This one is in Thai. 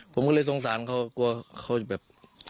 ผมก็เลยสงสารเขากลัวเขาจะแบบ